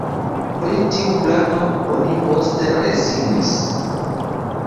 Pri tiu plano oni poste rezignis.